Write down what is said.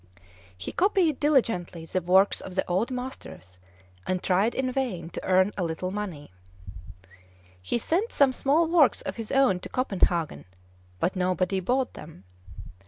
He copied diligently the works of the old masters, and tried in vain to earn a little money. He sent some small works of his own to Copenhagen; but nobody bought them.